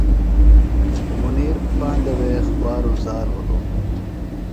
منیر پاندہ وے خواروزار بِھلوۡ۔